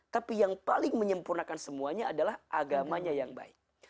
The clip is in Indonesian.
tapi yang paling menyempurnakan semuanya adalah agamanya yang baik